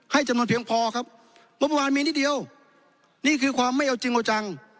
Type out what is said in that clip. จำนวนเพียงพอครับงบประมาณมีนิดเดียวนี่คือความไม่เอาจริงเอาจัง